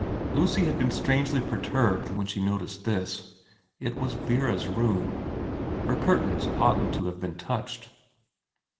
Lucy had been strangely perturbed when she noticed this. It was Vera's room. Her curtains oughtn't to have been touched.